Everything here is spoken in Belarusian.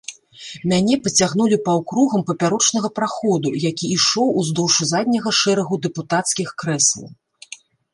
Мяне пацягнулі паўкругам папярочнага праходу, які ішоў уздоўж задняга шэрагу дэпутацкіх крэслаў.